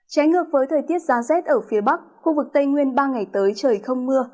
trái ngược với thời tiết giá rét ở phía bắc khu vực tây nguyên ba ngày tới trời không mưa